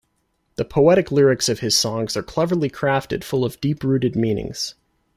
The poetic lyrics of his songs are cleverly crafted full of deep-rooted meanings.